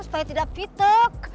supaya tidak pituk